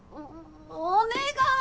お願い！